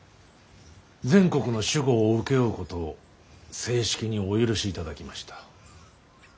全国の守護を請け負うことを正式にお許しいただきました。